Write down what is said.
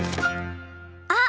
あっ。